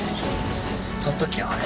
そのときはあれ？